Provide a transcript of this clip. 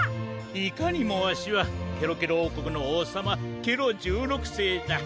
いかにもわしはケロケロおうこくのおうさまケロ１６世だ。